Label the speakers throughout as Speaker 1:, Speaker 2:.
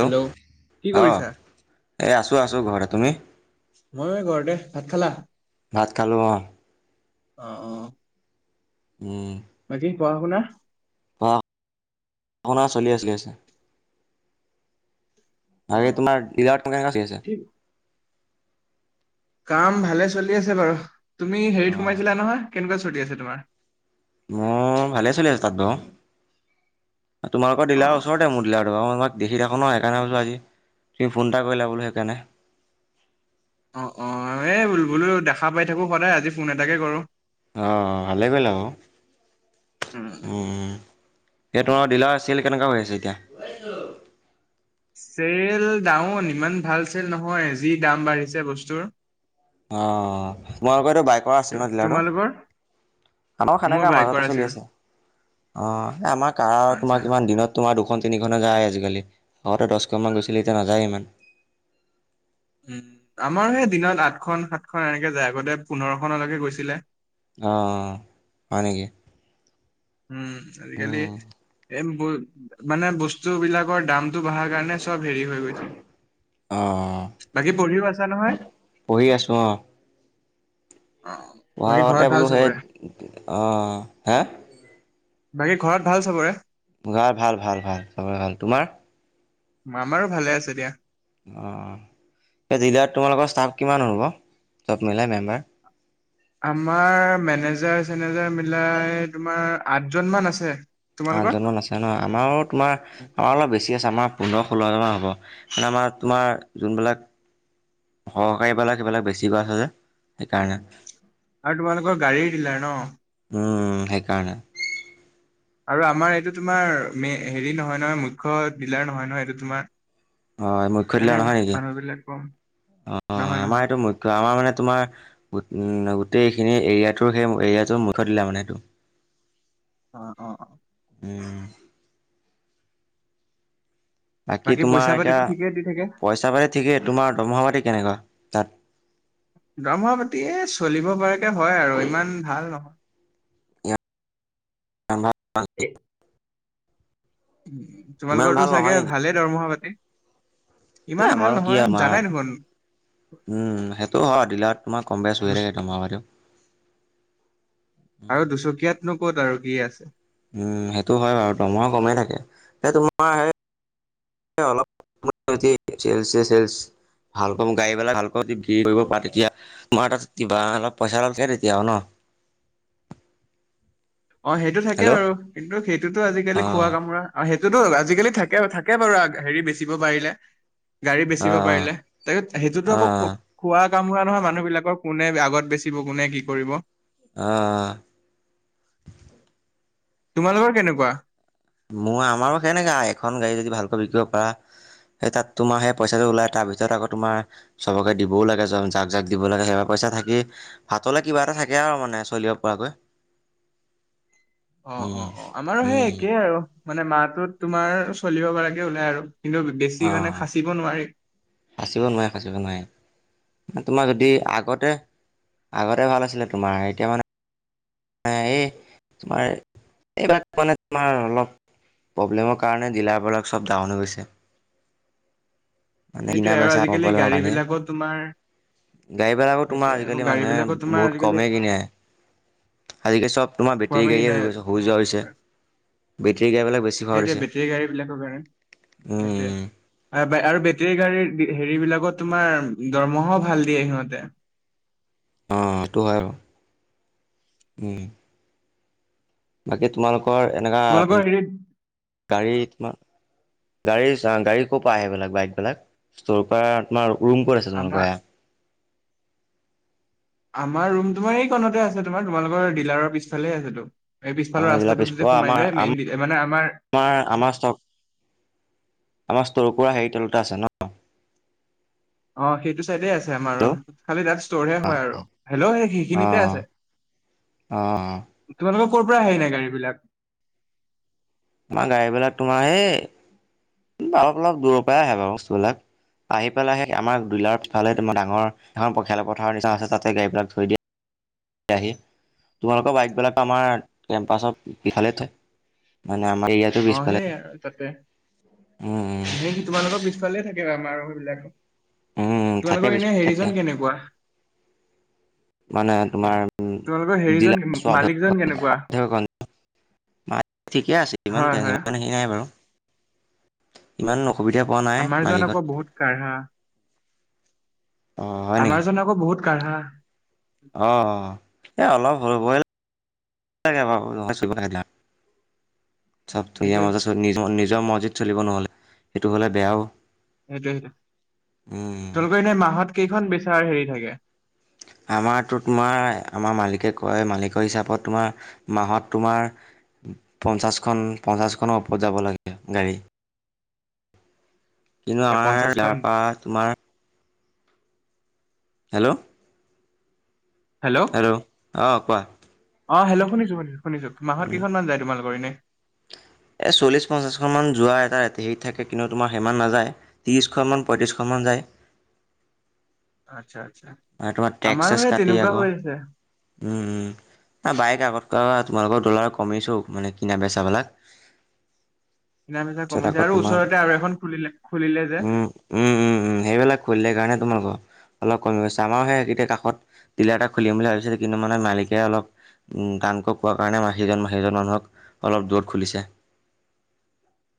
Speaker 1: Hello, কি
Speaker 2: অঁ
Speaker 1: কৰিছা?
Speaker 2: এই আছোঁ আছোঁ ঘৰতে। তুমি?
Speaker 1: মই ঘৰতে ভাত খালা?
Speaker 2: ভাত খালোঁ অ।
Speaker 1: অ অ।
Speaker 2: উম,
Speaker 1: বাকী পঢ়া-শুনা?
Speaker 2: ভাওনা চলি আছিলি আছিলে যে। তাকে
Speaker 1: অ',
Speaker 2: তোমাৰ ডিলাৰ কোনে কাঁচি আছে?
Speaker 1: কি কাম ভালে চলি আছে বাৰু তুমি হেৰিত
Speaker 2: অঁ
Speaker 1: সোমাইছিলা নহয় কেনেকুৱা চলি আছে তোমাৰ?
Speaker 2: মই ভালে চলি আছো তাত বাও। তোমাৰলোকৰ ডিলাৰ
Speaker 1: অ', অ',
Speaker 2: ওচৰতে মোৰ ডিলাৰটো [unintelligible] দেখি থাকো নয় সেইকাৰণে ভাৱিছোঁ আজি তুমি ফোন এটা কৰিলে বোলো সেইকাৰণে
Speaker 1: অ অ এই বুলো বুলোক দেখা পাই থাকোঁ সদায় আজি ফোন এটাকে কৰোঁ।
Speaker 2: অ ভালে কৰিলা বাও। অ উম। হে তোমাৰ ডিলাৰ আছিল কেনেকুৱা হৈ আছে এতিয়া [unintelligible]
Speaker 1: চেল ডাউন ইমান ভাল চেল নহয় যি দাম বাঢ়িছে বস্তুৰ।
Speaker 2: অ মই আকৌ এই বাইকৰ আছিল
Speaker 1: তো-
Speaker 2: ন ডিলাৰটো
Speaker 1: তোমালোকৰ?
Speaker 2: আনক
Speaker 1: মোৰ
Speaker 2: হেনেকা
Speaker 1: বাইকৰ
Speaker 2: মাজতে চলি
Speaker 1: আছিল।
Speaker 2: আছে অ আমাৰ কাৰ
Speaker 1: আচ্ছা,
Speaker 2: তোমাৰ কিমান দিনত তোমাৰ দু খন তিনিখন হে যায় আজিকালি আগতে দশখনমান গৈছিলে এতিয়া নাযায় ইমান।
Speaker 1: উম আমাৰ হে দিনত আঠখন সাতখন এনেকে যায় আগতে পোন্ধৰখনলৈকে গৈছিলে।
Speaker 2: অ, হয় নেকি?
Speaker 1: উম, আজিকালি
Speaker 2: উম,
Speaker 1: এম ব মানে বস্তু বিলাকৰ দাম তু বহাৰ কাৰণে সব হেৰি হৈ গৈছে।
Speaker 2: অ',
Speaker 1: বাকী পঢ়িও আছা নহয়?
Speaker 2: পঢ়ি আছোঁ অ',
Speaker 1: অ',
Speaker 2: পঢ়াৰ
Speaker 1: বাকী
Speaker 2: লগতে
Speaker 1: ঘৰত ভাল
Speaker 2: বোলো
Speaker 1: চবৰে?
Speaker 2: সেইত অ হে
Speaker 1: বাকী ঘৰত ভাল সবৰে?
Speaker 2: গাৰ ভাল ভাল ভাল সবৰে ভাল তোমাৰ?
Speaker 1: মামাৰো ভালে আছে দিয়া।
Speaker 2: অ এ ডিলাৰত তোমালোকৰ ষ্টাফ কিমান হ'ব সব মিলাই মেম্বাৰ
Speaker 1: আমাৰ মেনেজাৰ চেনেজাৰ মিলাই তোমাৰ আঠজন মান আছে। তোমালোকৰ?
Speaker 2: আঠজন মান আছে ন আমাৰো তোমাৰ আমাৰ অলপ বেছি আছে আমাৰ পোন্ধৰ ষোল্লজন হব মানে আমাৰ তোমাৰ জোনবিলাক সহকাৰী বিলাক সেইবিলাক বেছিকৈ ছে যে সেইকাৰণে।
Speaker 1: আৰু তোমালোকৰ গাড়ী ডিলাৰ ন।
Speaker 2: উম, সেইকাৰণে।
Speaker 1: আৰু আমাৰ সেইটো তোমাৰ মে হেৰি নহয় - নহয় মুখ্য ডিলাৰ নহয় - নহয় এইটো তোমাৰ
Speaker 2: হয় মুখ্য
Speaker 1: সেইকাৰণে
Speaker 2: ডিলাৰ নহয়
Speaker 1: অলপ
Speaker 2: নেকি?
Speaker 1: মানুহ বিলাক কম।
Speaker 2: অ
Speaker 1: নহয় নহয়।
Speaker 2: আমাৰ এইটো মুখ্য আমাৰ মানে তোমাৰ গোটেইখিনি এৰিয়াটোৰ সেই এৰিয়াজনৰ মুখ্য ডিলাৰ মানে সেইটো
Speaker 1: অ অ অ
Speaker 2: উম বাকী
Speaker 1: পইচা
Speaker 2: তোমাৰ
Speaker 1: পাতিটো ঠিকেই দি থাকে?
Speaker 2: এতিয়া পইচা পাতি ঠিকেই তোমাৰ দৰ্মহা পাতি কেনেকুৱা? তাত
Speaker 1: দৰমহা পাতি চলিব পৰাকে হয় আৰু ইমান ভাল নহয়।
Speaker 2: বা [unintelligible]
Speaker 1: উম,
Speaker 2: ইমান
Speaker 1: তোমালোকৰ
Speaker 2: ভাল
Speaker 1: তো
Speaker 2: নহয়
Speaker 1: চাগে
Speaker 2: নেকি?
Speaker 1: ভালে দৰমহা পাতি
Speaker 2: এ
Speaker 1: ইমান ভাল
Speaker 2: আমাৰো কি
Speaker 1: নহয়
Speaker 2: আমাৰ
Speaker 1: জানাই দেখোন
Speaker 2: উম, সেইটো হয় দিল তোমাৰ কম বেছ
Speaker 1: দু
Speaker 2: হৈয়ে থাকে তোমাৰ বাৰ
Speaker 1: আৰু দুচকীয়াতনো ক'ত আৰু কি আছে।
Speaker 2: উম, সেইটো হয় বাৰু দমহ কমেই থাকে এ তোমাৰ অলপ চেলছে চেল ভাল পাও গাড়ীবলাক ভাল পাও যদি ভিৰ কৰিব পা তেতিয়া তোমাৰ তাত কিবা অলপ পইচা লালে তেতিয়া হ ন।
Speaker 1: [inaudible] অ, সেইটো থাকে
Speaker 2: হেল্ল'
Speaker 1: বাৰু কিন্তু সেইটোতো আজিকালি খোৱা
Speaker 2: অ'
Speaker 1: কামোৰা সেই যো আজিকালি থাকে থাকে বাৰু হেৰি বেচিব পাৰিলে। গাড়ী বেচিব
Speaker 2: অ'
Speaker 1: পাৰিলে তাকছ সেইটোতো আকৌ
Speaker 2: অ'
Speaker 1: খোৱা। কাম হোৱা নহয় মানুহ বিলাকৰ কোনে আগত বেচিব কোনে কি কৰিব।
Speaker 2: অহ ',
Speaker 1: তোমালোকৰ কেনেকুৱা।
Speaker 2: মোৰ আমাৰো সেনেককাা এখন গাড়ী যদি ভালকৈ বিকিব পাৰা। সেই তাত তোমাৰ সেই পইচাটো ওলাই তাৰ ভিতৰত আকৌ তোমাৰ চবকে দিবওাগে য জাক জাক দিব লাগে সেইব পইচা। আচ্ছা থাকি ভাতলে কিবা এটা থাকে আৰু মানে চলিব পৰাকৈ।
Speaker 1: [inaudible] অ - অ
Speaker 2: উম
Speaker 1: - অ আমাৰো সেই
Speaker 2: উম
Speaker 1: একেই আৰু মানে মাহটোত তোমাৰ চলিব পৰাকে ওলাই আৰু- কিন্তু বেছি মানে খাচিব নোৱাৰি।
Speaker 2: সাচিব নোৱাৰে - সাচিব নোৱাৰে। তোমাৰ যদি আগতে - আগতে ভাল আছিলে তোমাৰ এতিয়া মানে এই তোমাৰ এইবাক মানে তোমাৰ অলপ প্ৰব্লেমৰ কাৰণে ডিলাৰবোৰক চব ডাহন হৈ গৈছে। আ কিনে
Speaker 1: সেইটোয়ে আৰু
Speaker 2: বেচাই
Speaker 1: আজিকালি
Speaker 2: পল
Speaker 1: গাড়ী
Speaker 2: কাৰানে
Speaker 1: বিলাকত তোমাৰ
Speaker 2: গাড়ীবেলাকো তোমাৰ
Speaker 1: সেইটোৱে আকৌ
Speaker 2: আজিকালি মানুহে
Speaker 1: গাড়ীবিলাকত তোমাৰ
Speaker 2: বহুত
Speaker 1: আজিকালি
Speaker 2: কমেই কিনে। আজিকালি চব তোমাৰ বেটেৰী
Speaker 1: পোৱা কি
Speaker 2: গাড়ীয়ে হৈ
Speaker 1: নাই
Speaker 2: গৈছে হৈ যোৱা হৈছে। বেটেৰী গাড়ীবিলাক বেছি হোৱা
Speaker 1: সেইটোৱে
Speaker 2: হৈছে
Speaker 1: বেটেৰী গাড়ী বিলাকৰ কাৰণে
Speaker 2: উম
Speaker 1: সেইয়া আৰু বেটেৰী গাড়ীৰ হেৰি বিলাকত তোমাৰ দৰমহাও ভাল দিয়ে সিহঁতে
Speaker 2: অটো হয় আৰু। বাকী তোমালোকৰ এনেকাা
Speaker 1: তোমালোকৰ হেৰিত
Speaker 2: গাড়ী তোমাৰ গাড়ী - গাড়ী ক'ৰ পৰা আহেিলাক বাইক বিলাক ষ্টৰ কৰা তমাৰ ৰুম ক'ত আছে তোমালোকা
Speaker 1: আমাৰ
Speaker 2: সয়া
Speaker 1: আমাৰ ৰুম তোমাৰ এইেই কণতে আছে তোমাৰ তোমালোকৰ ডিলাৰৰ পিছফালই আছেতো এই পিছফালৰ
Speaker 2: আমাৰ জিলা পিছ
Speaker 1: ৰাস্তাটোতো যে সোমাই
Speaker 2: আমাৰ
Speaker 1: যায় মেইন মানে আমাৰ।
Speaker 2: আমাৰ ষ্টক আমাৰ ষ্ট'ৰৰ পৰা হেৰি তেলত আছে ন।
Speaker 1: অ', সেইটো চাইডে আছে আমাৰ
Speaker 2: হেল্ল'
Speaker 1: খালি তাত ষ্টৰহে হয় আৰু হেল্ল' সেইখিনিতে আছে [inaudible]
Speaker 2: অ অ',
Speaker 1: তোমালোকৰ ক'ৰ পৰা আহে নাই গাড়ী বিলাক।
Speaker 2: তোমাৰ গাড়ী বিলাক তোমাৰ সেই অলপ - অলপ দূৰৰ পৰাই আহে বাৰু বস্তুবিলাক। আহি পেলাই সেই আমাৰ দুইলাৰৰ পিফাল তোাৰ ডাঙৰ এখন খেল পথাৰৰ নিচিনা আছে তাতে গাড়ীবিলাক থৈ দিয়ে। আহি তোমালোকৰ বাইকবলাক আমাৰ কেম্পাছত ইফালে থয়। মানে আমাৰ এৰিয়াটোৰ
Speaker 1: অ,
Speaker 2: পিছফালে।
Speaker 1: সেই আৰু তাতে
Speaker 2: উম
Speaker 1: সেই তুমানোকৰ পিছফালে থাকে। বম আৰু সবিলাকক
Speaker 2: উম উম থাকে
Speaker 1: তোমালোকৰ এনে
Speaker 2: পিছফালে থাকে
Speaker 1: হেৰিজন কেনেকুৱা?
Speaker 2: মানে তোমাৰ
Speaker 1: তোমালোকৰ হেৰিজন
Speaker 2: ডিলাৰ
Speaker 1: মালিকজন কেনেকুৱা
Speaker 2: মা ঠিকে আছে ইমান
Speaker 1: হয় হয়
Speaker 2: হেৰি নাই বাৰু ইমান ন অসুবিধা পোৱা নাই
Speaker 1: আমাৰজন আকৌ
Speaker 2: মালিকত
Speaker 1: বহুত কাঢ়া
Speaker 2: অ
Speaker 1: আমাৰজন আকৌ বহুত কাঢ়া।
Speaker 2: অঁহ এ অলপ হবই। চব ইয়াৰ
Speaker 1: সেইটোৱে
Speaker 2: মাজত নিজৰ মৰজিত চলিব নহ'লে সেইটো হ'লে বেয়াও।
Speaker 1: সেইটো সেইটো,
Speaker 2: উম
Speaker 1: তেওঁলোকৰ এনে মাহত কেইখন বেচাৰ হেৰি থাকে।
Speaker 2: আমাৰটো তোমাৰ আমাৰ মালিকে কয় মালিকৰ হিচাপত তোমাৰ মাহত তোমাৰ পঞ্চাছখন পঞ্চাছখনৰ ওপৰত যাব লাগে গাড়ী।
Speaker 1: [inaudible]
Speaker 2: কিন্তু আমাৰ
Speaker 1: পঞ্চাশখন
Speaker 2: ইয়াৰ পৰা তোমাৰ হেল্ল' হেল্ল' অ কোৱা।
Speaker 1: অ হেল্ল' শুনিছো শুনিছো মাহত কেইখনমান যায় তোমালোকৰ এনে?
Speaker 2: এই চল্লিছ পঞ্চাশখন মান যোৱা এটা হেৰিত থাকে কিন্তু তোমাৰ সিমান নাযায় ত্ৰিশখন মান পঁয়ত্ৰিশখন মান মন যায়।
Speaker 1: [inaudible] আচ্ছা আচ্ছা
Speaker 2: তোমাৰ টেক্স
Speaker 1: আমাৰো
Speaker 2: চেচ
Speaker 1: সেই
Speaker 2: কাটি
Speaker 1: তেনেকুৱা
Speaker 2: আকৌ
Speaker 1: হৈ আছে
Speaker 2: উম উম বাইক আগত তোমালোকৰ ডলাৰ কমিছোঁ মানে কিনা বেচাবিলাক
Speaker 1: কিনা বেচা
Speaker 2: পিছত
Speaker 1: কমিছে
Speaker 2: আকৌ
Speaker 1: আৰু
Speaker 2: তোমাৰ
Speaker 1: ওচৰতে আৰু এখন খুলিলে খুলিলে যে
Speaker 2: উম, উম, উম, উম। সেইবিলাক খুলিলে কাৰণে তোমালোকৰ অলপ কম আমাৰো সেই সেইতোৱে কাষত ডিলাৰ এটা খুলিম বুলি ভাবিছিলে কিন্তু মানে মালিকে অলপ উম, টানকৈ কোৱা কাৰণে মানে সেইজন সেইজন মানুহক অলপ দূৰত খুলিছে।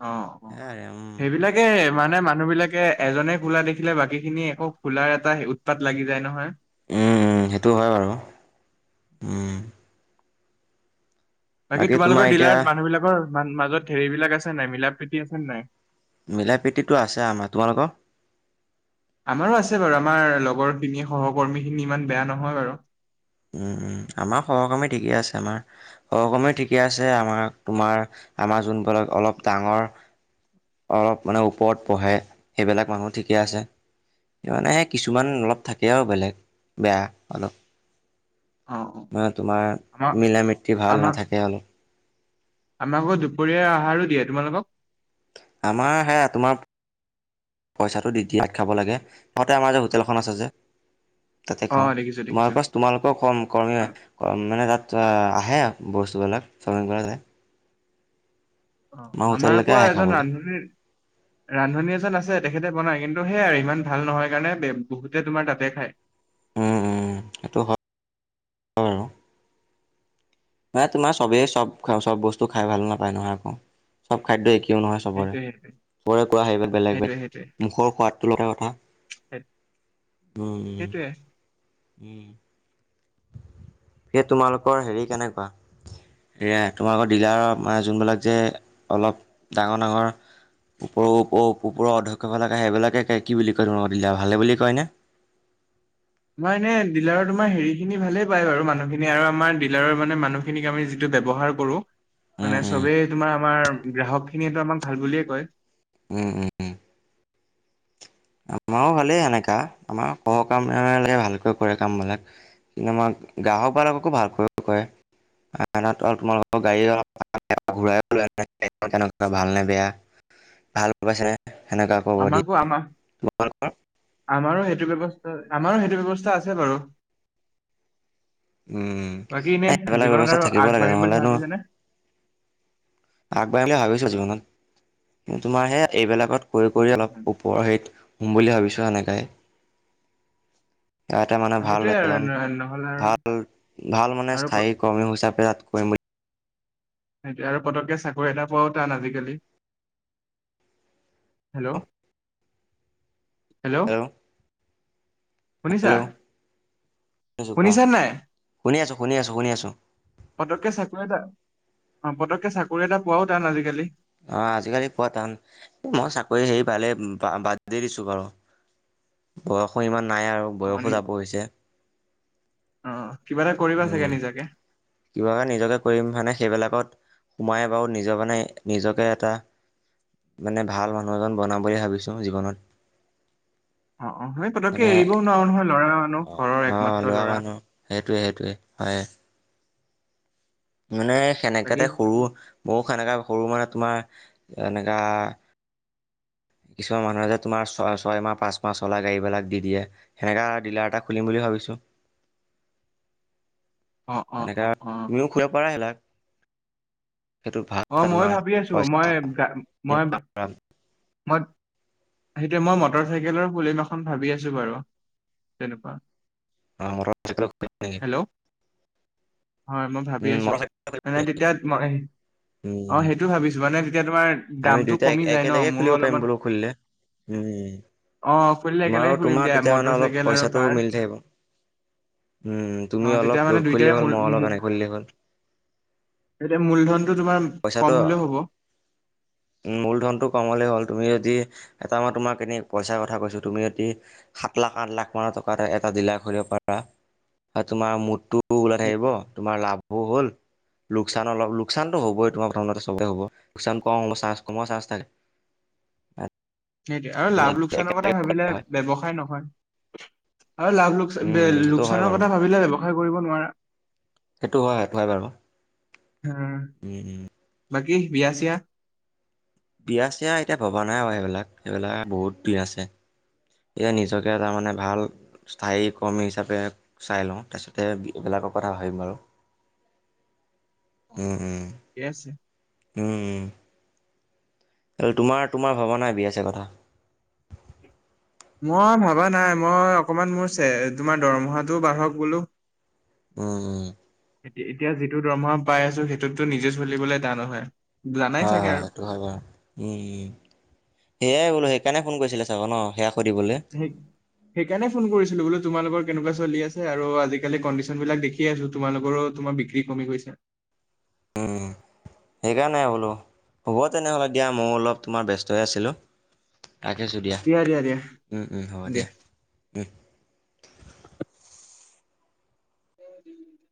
Speaker 1: অ, অ,
Speaker 2: সেয়াই আৰু উম।
Speaker 1: সেইবিলাকে মান মানে মানুহ বিলাকে এজনে খোলা দেখিলে বাকী খিনি একো খোলাৰ এটা উৎপাত লাগি যায় নহয়।
Speaker 2: উম, উম, সেইটো হয় বাৰু উম।
Speaker 1: বাকী
Speaker 2: তোমাৰ
Speaker 1: তোমালোকৰ
Speaker 2: এতিয়া
Speaker 1: ডিলাৰত মানুহ বিলাকৰ মাজত হেৰি বিলাক আছে নাই মিলা প্ৰীতি আছে নে নাই?
Speaker 2: মিলা প্ৰীতিতটো আছে আমাৰ, তোমালোকৰ?
Speaker 1: আমাৰো আছে বাৰু আমাৰ লগৰখিনি সহকৰ্মী খিনি ইমান বেয়া নহয় বাৰু।
Speaker 2: উম, উম, আমাৰ সহকৰ্মী ঠিকে আছে আমাৰ সহকৰ্মী ঠিকে আছে আমাৰ তোমাৰ আমাৰ যোনবিলাক অলপ ডাঙৰ। অলপ মানে ওপৰত পঢ়ে সেইবিলাক মানুহ ঠিকে আছে। মানে কিছুমান অলপ থাকে আৰু বেলেগ বেয়া অলপ।
Speaker 1: অ অ
Speaker 2: মানে তোমাৰ
Speaker 1: আমাক
Speaker 2: মিলা মীতি ভাল নাথাকে অলপ।
Speaker 1: আমাৰ আকৌ দুপৰীয়া আহাৰো দিয়ে, তোমালোকক?
Speaker 2: আমাৰ সেয়া তোমাৰ পইচাটো দি দিয়ে ভাত খাব লাগে তাতে আমাৰ যে হোটেলখন আছে যে। তাতে
Speaker 1: অ
Speaker 2: খাওঁ,
Speaker 1: দেখিছো দেখিছো
Speaker 2: তোমালোকৰ তোমালোকৰ ক
Speaker 1: আ-
Speaker 2: কৰ্ম মানে তাত আহে আৰু বস্তুবিলাক চমন কৰা যায়।
Speaker 1: অ, আমাৰ
Speaker 2: হোটেললৈকে
Speaker 1: আকৌ
Speaker 2: আহে
Speaker 1: এজন
Speaker 2: খাবলৈ
Speaker 1: ৰান্ধনীৰ ৰান্ধনী এজন আছে তেখেতে বনায় কিন্তু সেইয়ে আৰু ইমান ভাল নহয় কাৰণে বহুতে তোমাৰ তাতে খায়।
Speaker 2: উম, উম, সেইটো হয় আৰু। মানে তোমাৰ চবেই চব চব বস্তু খাই ভাল নাপায় নহয় আকৌ, চব খাদ্য একে কিয় নহয় চবৰে
Speaker 1: সেইটোয়ে
Speaker 2: পৰে কোৱা সেইবিলাক বেলেগ
Speaker 1: সেইটোয়ে সেইটোয়ে
Speaker 2: বেলেগ মুখৰ সোৱাদটো লগা কথা। উম।
Speaker 1: সেইটোয়ে
Speaker 2: উম। এ তোমালোকৰ হেৰি কেনেকুৱা? তোমালোকৰ ডিলাৰৰ মানে যোনবিলাক যে অলপ ডাঙৰ ডাঙৰ। ওপৰৰ ওপৰৰ অধ্যক্ষ ফালাকে সেইবিলাকে কি বুলি কয় তোমোক ডিলাৰ ভালে বুলি কয়নে?
Speaker 1: [inaudible] তোমাৰ এনে ডিলাৰৰ তোমাৰ হেৰি খিনি ভালেই পায়াৰু মানুহখিনি আৰু আমাৰ ডিলাৰৰ মানে মানুহখিনিক আমি যিটো ব্যৱহাৰ কৰো
Speaker 2: উম
Speaker 1: মানে
Speaker 2: উম
Speaker 1: চবেই তোমাৰ আমাৰ গ্ৰাহক খিনিয়েতটো আমাক ভাল বুলিয়ে কয়।
Speaker 2: উম - উম - উম। আমাৰো ভালেই এনেকা আমাৰ সহকামে লাগে ভালকৈ কৰে কামবিলাক কিন্তু আমাৰ গ্ৰাহক ভালকৈ কয়। আ আৰু তোমালোকৰ গাড়ী ঘ ভাল নে বেয়া। ভাল পাইছেনে সেনেকুৱা ক'ব দিয়
Speaker 1: আমাকো আমাৰ আমাৰো সেইটো ব্যৱস্থা আমাৰো সেইটো ব্যৱস্থা আছে বাৰু
Speaker 2: উম
Speaker 1: বাকী এনে
Speaker 2: নাই সেইবিলাক
Speaker 1: জীৱনত
Speaker 2: ব্যৱস্থা
Speaker 1: আৰু
Speaker 2: থাকিব লাগে
Speaker 1: আগবাঢ়িম বুলি ভাবিছেনে।
Speaker 2: আগবাঢ়িব বুলি ভাবিছো জীৱনত কিন্তু তোমাৰ সে এইবিলাকত কৰি অলপ ওপৰৰ হেৰিত হম বুলি ভাবিছো সেনেকাই ইতে মানে ভাল
Speaker 1: সেইটোয়ে আৰু
Speaker 2: এজন
Speaker 1: ন- নহ'লে আৰু
Speaker 2: ভাল ভাল মানে
Speaker 1: আৰু
Speaker 2: স্থায়ী
Speaker 1: প-
Speaker 2: কৰ্মী হিচাপে ত। কৰি বুলি
Speaker 1: সেইটো আৰু পতককে চাকৰি এটা পোৱাও টান আজিকালি। হেল্ল' হেল্ল', শুনিছা
Speaker 2: হেল্ল' শুনিছোঁ কোৱা
Speaker 1: শুনিছ নাই
Speaker 2: শুনি আছোঁ শুনি আছোঁ শুনি আছোঁ
Speaker 1: পতককে চাকৰি এটা অ পতককে চাকৰি এটা পোৱাও তান আজিকালি
Speaker 2: অ আজিকালি পোৱা টান মই চাকৰি হেৰি পালে বাদ দি দিছো বাৰু বয়সৰ ইমান নাই আৰু
Speaker 1: অ নি
Speaker 2: বয়সো যাব হৈছে
Speaker 1: অ কিবা এটা কৰিবা চাগে
Speaker 2: উম
Speaker 1: নিজাকে
Speaker 2: কিবটা নিজকে কৰিম মানে সেইবিলাকত সোমাই বাৰু নিজৰ মানে নিজকে এটা মানে ভাল মানুহ এজন বনাম বুলি ভাবিছো জীৱনত।
Speaker 1: অ অ আমি পতককে
Speaker 2: মানে
Speaker 1: এৰিবও নোৱাৰো নহয় লৰা মানুহ ঘৰৰ
Speaker 2: অঁ
Speaker 1: একমাত্ৰ ল'ৰা
Speaker 2: মানুহ সেইটোৱে সেইটোৱে হয় মানে
Speaker 1: বাকী
Speaker 2: সেনেকােতে সৰু মৌখ এনেকা সৰু মানে তোমাৰ এনেকা কিছুমান মানুহে যে তোমাৰ ছয় ছয় মাহ পাঁচ মাহ চলা গাড়ীবিলাক দি দিয়েনেকা ডিলাৰ এটা খুলিম বুলি ভাবিছো।
Speaker 1: অ অ
Speaker 2: সেনেকা
Speaker 1: অ অ
Speaker 2: তুমিও খুলিব পাৰা সেইবিলাক সেইটো ভাল
Speaker 1: অ
Speaker 2: এটা
Speaker 1: মই
Speaker 2: তোমাৰ
Speaker 1: ভাবি আছো
Speaker 2: পইচা
Speaker 1: মই মই মই সেইটোৱে মই মটৰ চাইকেলৰ ফুলিম এখন ভাবি আছো বাৰু তেনেকুৱা
Speaker 2: অ, মটৰ চাইকেল
Speaker 1: হেল্ল' হয় মই ভাবি
Speaker 2: উম
Speaker 1: আছো
Speaker 2: মটৰ চাইকেল
Speaker 1: মানে তেতিয়া মই অ,
Speaker 2: উম
Speaker 1: সেইটো ভাবিছো মানে। এতিয়া তোমাৰ
Speaker 2: আমি
Speaker 1: দামতটো
Speaker 2: দুইটা
Speaker 1: কমি যায় ন।
Speaker 2: একেলগে
Speaker 1: মোৰো
Speaker 2: খুলিব পাৰিম
Speaker 1: অলপমান
Speaker 2: বোলো খুলিলে উম
Speaker 1: অ খুলিলে
Speaker 2: তোমাৰো
Speaker 1: একেলগে খুলিম
Speaker 2: তোমাৰ
Speaker 1: দিয়া
Speaker 2: তেতিয়া মানে
Speaker 1: মটৰ
Speaker 2: অলপ
Speaker 1: চাইকেল আৰু
Speaker 2: পইচাটো
Speaker 1: কাৰ
Speaker 2: মিলি থাকিব উম
Speaker 1: অ
Speaker 2: তুমি
Speaker 1: তেতিয়া
Speaker 2: অলপ
Speaker 1: মানে
Speaker 2: দৌৰ
Speaker 1: দুইটাৰে
Speaker 2: খুলিলেই হ'ল
Speaker 1: মূল
Speaker 2: মই অলপ এনে খুলিলেই হ'ল
Speaker 1: এতিয়া মূলধনটো তোমাৰ কম
Speaker 2: পইচাটো
Speaker 1: হলেও হ'ব।
Speaker 2: কমলে হ'ল তুমি যদি এটা মান তোমাক এনে পইচাৰ কথা কৈছো। তুমি অতি সাত লাখ আঠ লাখ মানৰ টকা এটা জিলা কৰিব পাৰা তোমাৰ মুঠটো ওলাই থাকিব
Speaker 1: সেইটোৱে
Speaker 2: তোমাৰ লাভো হ'ল। লোকচানৰ অলপ লোকচানতো হবই তোমাৰ প্ৰথমতে চবে হ'ব লোকচান ক চ কম চাৰ্জ থাকে
Speaker 1: সেইটো আৰু
Speaker 2: তোমাৰ
Speaker 1: লাভ লোকচানৰ কথা
Speaker 2: একেলগে
Speaker 1: ভাবিলে
Speaker 2: হয়
Speaker 1: ব্যৱসায় নহয় আৰু লাভ
Speaker 2: উম
Speaker 1: লোকচান
Speaker 2: সেইটো হয়
Speaker 1: লোকচানৰ
Speaker 2: বাৰু
Speaker 1: কথা ভাবিলে ব্যৱসায় কৰিব নোৱাৰা
Speaker 2: সেইটো হয় হয় বাৰু
Speaker 1: হম
Speaker 2: উম উম
Speaker 1: বাকি বিয়া চিয়া
Speaker 2: বিয়া চিয়া এতিয়া ভবা নাই আৰু এইবিলাক এইবিলাক বহুত বিয়া আছে। এতিয়া নিজকে তাৰ মে ভাল স্থায়ী কৰ্মী হিচাপে চাই লওঁ তাৰপিছতোক। ৰ কথা ভাবিম বাৰু।
Speaker 1: [inaudible]
Speaker 2: অ'।
Speaker 1: কছে।
Speaker 2: তোমাৰ তোমাৰ ভৱানাই বিয়া চিয়া কথা।
Speaker 1: মই ভাবা নাই মই অকমান মোৰ তোমাৰ দৰমহাটোও বাঢ়ক বোলো
Speaker 2: উম উম।
Speaker 1: এতিয়া যিটো দৰমহা পাই আছো সেইটোততো নিজে চলিবলৈ টান নহয়।
Speaker 2: হয় হয় সেইটো হয় বাৰু উম সেয়াই বোলো সেইকাৰণে ফোন কৰিছিলে চাগ ন'। সেয়া সুধিবলৈ।
Speaker 1: সেই সেইকাৰণে ফোন কৰিছিলো বোলো। তোমালোকৰ কেনেকুৱা চলি আছে আৰু আজিকালি কণ্ডিশন বিলাক দেখি আছো তোমালোকৰো তোমাৰ বিক্ৰী কমি গৈছে। [inaudible]
Speaker 2: উম, সেইকাৰণে বোলো, হ'ব তেনেহ'লে দিয়া মইও অলপ তোমাৰ ব্যস্ত হৈ আছিলোঁ। ৰাখিছোঁ দিয়া। হ'ব দিয়া,
Speaker 1: উ উ।